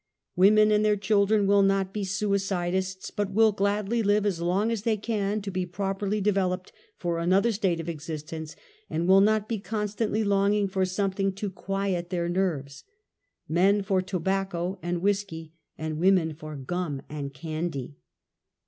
Women and their children will not then be suici dists, but will gladly live as long as they can to be properly developed for another state of existence, and will not be constantly longing for someting to quiet their nerves. Men for tobacco and whisky, and. women for gum and candy.